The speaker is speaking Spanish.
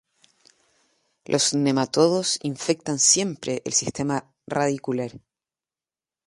Los nematodos infectan siempre el sistema radicular.